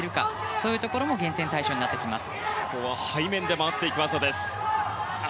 そういうところも減点対象になります。